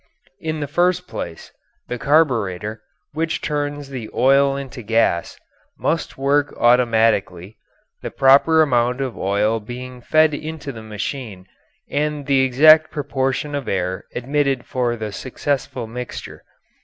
In the first place, the carbureter, which turns the oil into gas, must work automatically, the proper amount of oil being fed into the machine and the exact proportion of air admitted for the successful mixture.